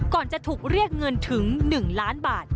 จะถูกเรียกเงินถึง๑ล้านบาท